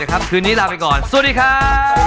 คืนนี้ลาไปก่อนสวัสดีครับ